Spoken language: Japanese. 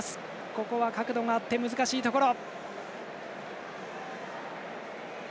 ここは角度があって難しいところ。